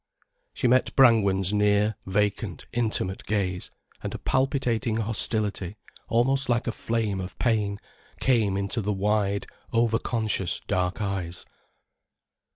She met Brangwen's near, vacant, intimate gaze, and a palpitating hostility, almost like a flame of pain, came into the wide, over conscious dark eyes.